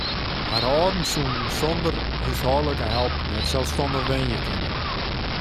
Har âlden soene sonder húshâldlike help net selsstannich wenje kinne.